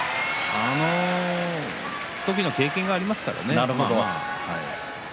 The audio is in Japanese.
あの時の経験がありますからね。